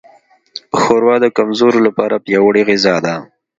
ښوروا د کمزورو لپاره پیاوړې غذا ده.